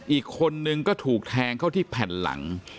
อีกคนนึงก็ถูกแทงเข้าที่แผ่นหลัง